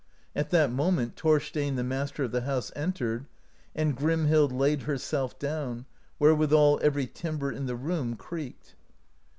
At that moment Thorstein, the master of the house, entered, and Grimhild laid herself down, wherewithal every timber in the room creaked.